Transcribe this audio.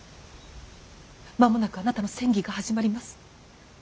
間もなくあなたの詮議が始まります。